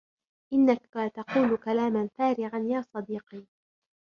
إنك تقول كلاما فارغا يا صديقي.